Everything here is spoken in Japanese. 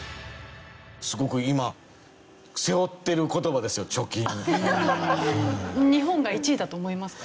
すごく今日本が１位だと思いますか？